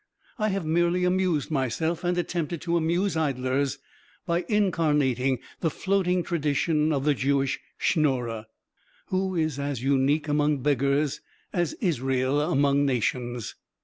I have merely amused myself and attempted to amuse idlers by incarnating the floating tradition of the Jewish_ SCHNORRER, _who is as unique among beggars as Israel among nations.